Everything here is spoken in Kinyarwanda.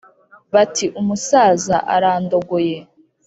bati : umusaza ararondogoye.